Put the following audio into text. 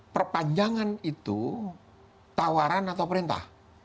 perpanjangan itu tawaran atau perintah